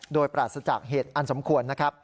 โดยปราศจากเหตุอันสมควร